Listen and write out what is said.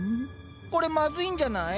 これまずいんじゃない？